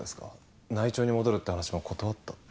内調に戻るって話も断ったって。